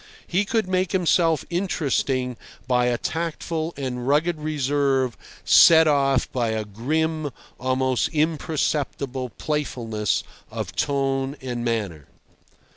He could make himself interesting by a tactful and rugged reserve set off by a grim, almost imperceptible, playfulness of tone and manner.